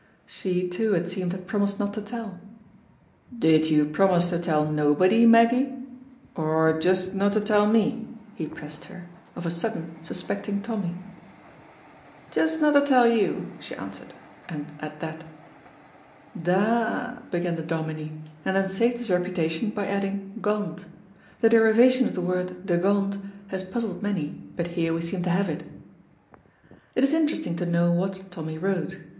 She, too, it seemed, had promised not to tell. "Did you promise to tell nobody, Meggy, or just no to tell me," he pressed her, of a sudden suspecting Tommy. "Just no to tell you," she answered, and at that. "Da a a," began the Dominie, and then saved his reputation by adding "gont." The derivation of the word dagont has puzzled many, but here we seem to have it. It is interesting to know what Tommy wrote.